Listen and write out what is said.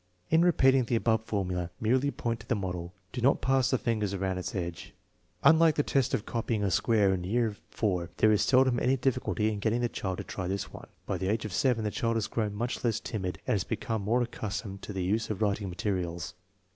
In repeating the above formula, merely point to the model; do not pass the fingers around its edge. Unlike the test of copying a square in year IV, there is seldom any difficulty in getting the child to try this one. By the age of 7 the child has grown much less timid and has become more accustomed to the use of writing materials.